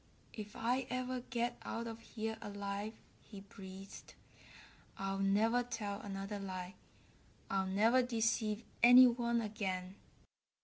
"If I ever get out of here alive," he breathed, "I'll never tell another lie. I'll never deceive any one again."